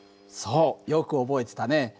そうよく覚えてたね。